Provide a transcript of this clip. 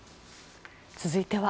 続いては。